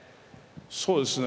そうですね。